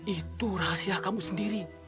itu rahasia kamu sendiri